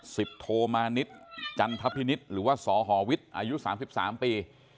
สิบโธมาณิชย์จันทพิณิชย์หรือว่าศฮวิทย์อายุ๓๓ปี